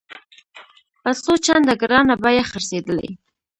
په څو چنده ګرانه بیه خرڅېدلې.